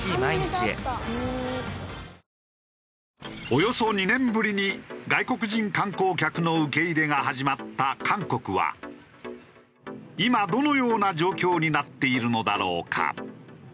およそ２年ぶりに外国人観光客の受け入れが始まった韓国は今どのような状況になっているのだろうか？